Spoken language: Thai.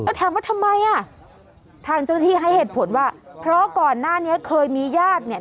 ถามว่าทำไมอ่ะทางเจ้าหน้าที่ให้เหตุผลว่าเพราะก่อนหน้านี้เคยมีญาติเนี่ย